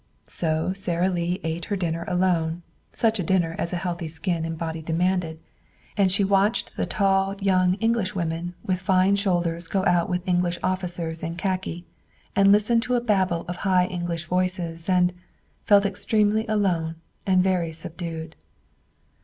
So Sara Lee ate her dinner alone, such a dinner as a healthy skin and body demanded. And she watched tall young Englishwomen with fine shoulders go out with English officers in khaki, and listened to a babel of high English voices, and felt extremely alone and very subdued.